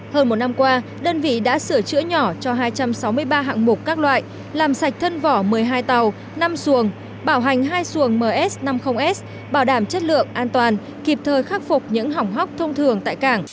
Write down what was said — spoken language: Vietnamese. hơn một năm qua đơn vị đã sửa chữa nhỏ cho hai trăm sáu mươi ba hạng mục các loại làm sạch thân vỏ một mươi hai tàu năm xuồng bảo hành hai xuồng ms năm mươi s bảo đảm chất lượng an toàn kịp thời khắc phục những hỏng hóc thông thường tại cảng